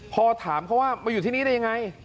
พอถามเขาว่ามาอยู่ที่นี่ได้ยังไง